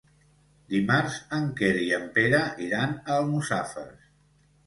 Dimarts en Quer i en Pere iran a Almussafes.